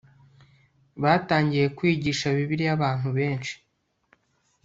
batangiye kwigisha bibiliya abantu benshi